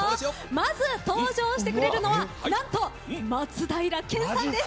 まず登場してくれるのは松平健さんです。